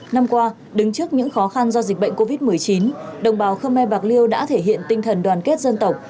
năm qua đứng trước những khó khăn do dịch bệnh covid một mươi chín đồng bào khơ me bạc liêu đã thể hiện tinh thần đoàn kết dân tộc